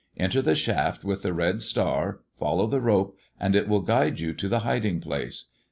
Enter the sh^f t with the red star, follow the rope, and it will guide you to the hiding place.